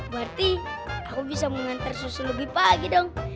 berarti aku bisa mengantar susu lebih pagi dong